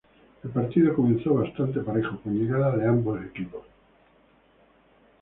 El partido comenzó bastante parejo, con llegadas de ambos equipos.